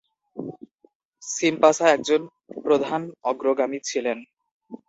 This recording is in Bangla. সিমপাসা একজন প্রধান অগ্রগামী ছিলেন।